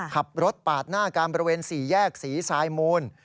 ขับรถปาดหน้าการบริเวณ๔แยกศรีทรายมูล